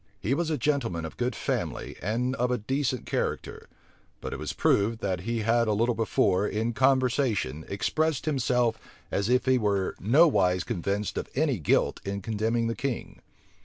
He was a gentleman of good family and of a decent character: but it was proved, that he had a little before, in conversation, expressed himself as if he were nowise convinced of any guilt in condemning the king.